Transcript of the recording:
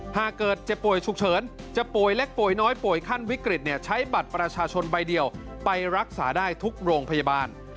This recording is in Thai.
หากเกิดเจ็บป่วยฉุกเฉินจะป่วยเล็กป่วยน้อยป่วยขั้นวิกฤตใช้บัตรประชาชนใบเดียวไปรักษาได้ทุกโรงพยาบาล